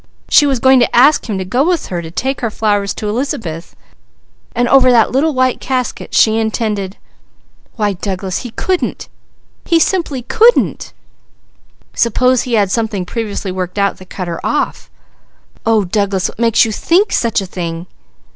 She was going to ask him to go with her to take her flowers to Elizabeth, and over that little white casket she intended Why Douglas, he couldn't, he simply couldn't!" "Suppose he had something previously worked out that cut her off!" "Oh Douglas! What makes you think such a thing?"